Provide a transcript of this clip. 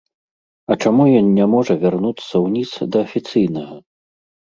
А чаму ён не можа вярнуцца ўніз, да афіцыйнага?